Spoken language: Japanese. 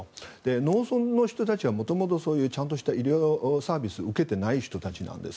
農村の人たちは元々ちゃんとした医療サービスを受けていない人たちなんです。